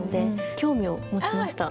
興味を持ちました。